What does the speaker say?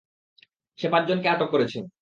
সে পাঁচজনকে আটক করেছে।